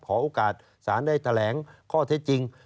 ขอโอกาสสารได้แถลงข้อเท็จจริง